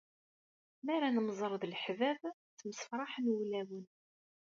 Mi ara nemẓer d leḥbab, ttemsefraḥen wulawen.